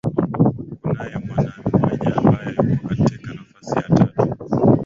kunaye mwanamwaya ambaye yuko katika nafasi ya tatu